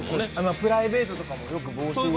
プライベートとかもよく帽子を。